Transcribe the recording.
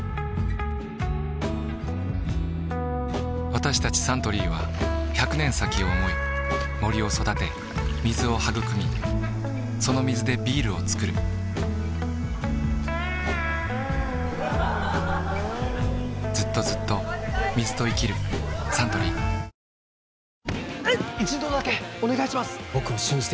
私たちサントリーは１００年先を想い森を育て水をはぐくみその水でビールをつくる・ずっとずっと水と生きるサントリー正解のもの